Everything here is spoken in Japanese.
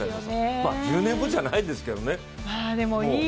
１０年後じゃないですけどね、もう。